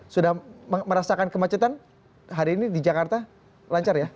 sudah merasakan kemacetan hari ini di jakarta lancar ya